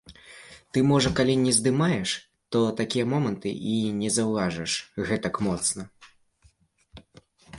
Ты, можа, калі не здымаеш, то такія моманты і не заўважыш гэтак моцна.